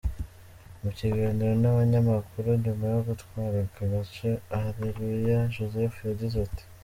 Mu kiganiro n’abanyamakuru nyuma yo gutwara aka gace, Areruya Joseph yagize ati.